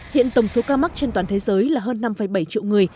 hiện tổng số ca mắc trên toàn thế giới là hơn năm bảy triệu người